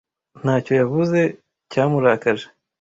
Nta cyo yavuze, cyamurakaje.